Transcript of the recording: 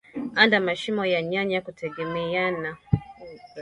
Andaa mashimo ya nyanya kutegemeana